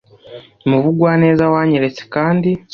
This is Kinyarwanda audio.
mu bugwaneza wanyeretse kandi